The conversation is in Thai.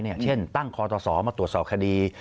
นะเช่นตั้งคอทสอมาตรวจสอบคดี